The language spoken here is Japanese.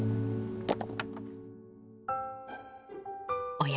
おや？